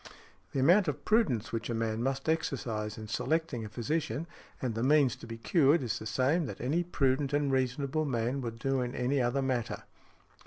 The amount of prudence which a man must exercise in selecting a physician, and the means to be cured, is the same that any prudent and reasonable man would do in any other matter .